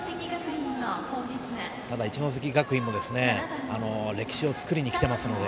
ただ一関学院も歴史を作りに来ていますので。